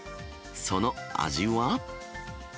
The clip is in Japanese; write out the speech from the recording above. その味は？